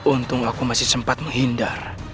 untung aku masih sempat menghindar